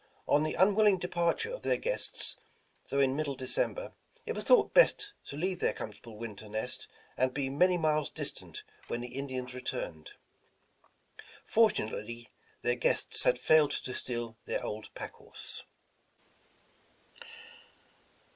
On the unwilling departure of their guests, the ugh in middle December, it was thought best to leave their comfortable winter nest and be many miles distant when the Indians returned. Fortunately their guests had failed to steal their old pack horse.